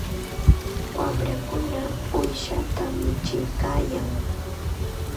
Wamrakuna uushata michiykaayan.